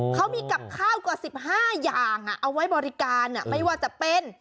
เขามีกับข้าวกว่า๑๕อย่างเอาไว้บริการไม่ว่าจะเป็น